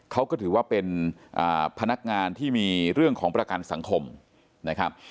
เขาก็ถือว่าเป็นพนักงานที่มีเรื่องของประกันสังคมนะครับ